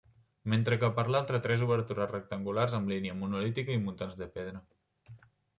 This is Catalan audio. Mentre que per l'altra tres obertures rectangulars amb llinda monolítica i muntants de pedra.